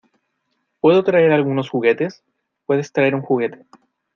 ¿ Puedo traer algunos juguetes? Puedes traer un juguete.